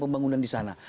pembangunan di sana